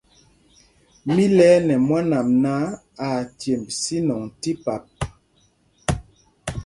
Mi lɛɛ nɛ mwân ām náǎ, aa cemb sínɔŋ tí pap.